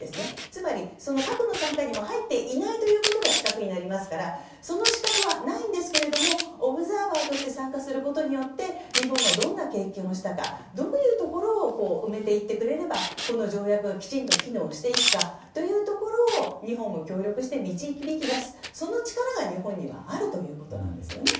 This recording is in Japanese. つまり、その核の傘下にも入っていないということが資格になりますからその資格はないんですがオブザーバーとして参加することによって日本がどんな経験をしたかどういうところを埋めていってくれればこの条約が機能するかというところを日本も協力して導き出すその力が日本にはあるということなんです。